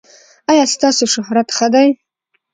ایا ستاسو شهرت ښه دی؟